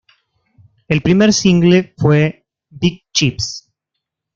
El primer single fue "Big Chips".